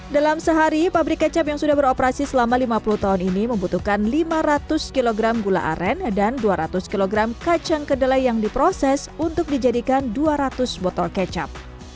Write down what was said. dalam sehari pabrik kecap yang sudah beroperasi selama lima puluh tahun ini membutuhkan lima ratus kg gula aren dan dua ratus kg kacang kedelai yang diproses untuk dijadikan dua ratus botol kecap